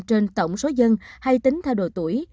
trên tổng số dân hay tính theo độ tuổi